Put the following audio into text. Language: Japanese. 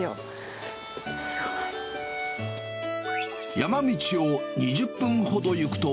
山道を２０分ほど行くと。